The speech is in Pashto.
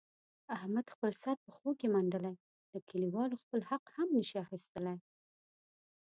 احمد خپل سر پښو کې منډلی، له کلیوالو خپل حق هم نشي اخستلای.